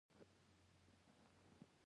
• د ودانیو امنیتي سیستمونه پرمختللي شول.